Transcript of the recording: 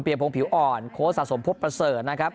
เปลี่ยนโพงผิวอ่อนโครสสสมพพพรัสเซอร์นะครับ